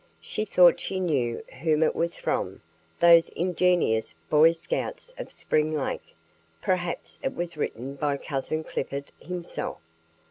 She thought she knew whom it was from those ingenious Boy Scouts of Spring Lake perhaps it was written by cousin Clifford himself.